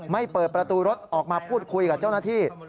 เปิดประตูรถออกมาพูดคุยกับเจ้าหน้าที่